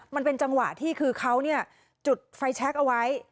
มันเป็นจังหวะที่คือเขาจุดไฟแชคเอาไว้